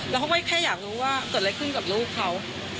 แล้วเขาก็แค่อยากรู้ว่าเกิดอะไรขึ้นกับลูกเขา